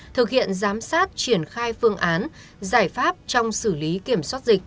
thực hiện giám sát triển khai phương án giải pháp trong xử lý kiểm soát dịch